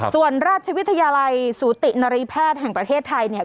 ส่วนราชวิทยาลัยสูตินรีแพทย์แห่งประเทศไทยเนี่ย